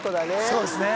そうですね。